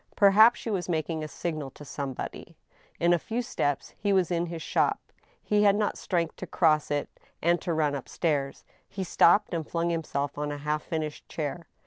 Per haps she was making a signal to somebody. In a few steps he was in his shop. He had not strength to cross it and to run up sUirs. He stopped and flung himself on a half finished chair.